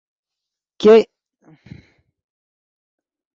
ګئے نخچے